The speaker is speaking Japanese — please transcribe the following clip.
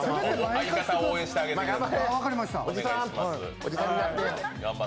相方を応援して上げてください。